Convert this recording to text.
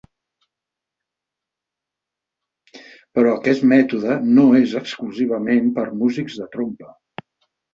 Però aquest mètode no és exclusivament per músics de trompa.